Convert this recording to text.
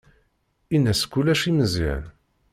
Ini-as kullec i Meẓyan.